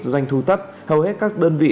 doanh thu tất hầu hết các đơn vị